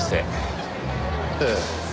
ええ。